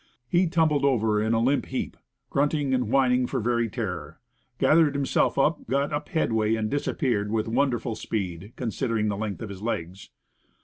He tumbled over in a limp heap, grunting and whin ing for very terror, gathered himself up, got up head way, and disappeared with wonderful speed consid ering the length of his legs.